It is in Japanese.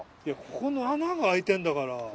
いやここの穴が開いてんだから。